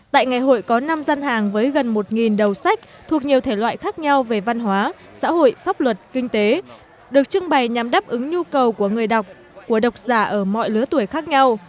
tại ngày hội có năm gian hàng với gần một đầu sách thuộc nhiều thể loại khác nhau về văn hóa xã hội pháp luật kinh tế được trưng bày nhằm đáp ứng nhu cầu của người đọc của đọc giả ở mọi lứa tuổi khác nhau